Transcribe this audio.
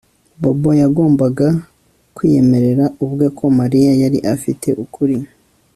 Bobo yagombaga kwiyemerera ubwe ko Mariya yari afite ukuri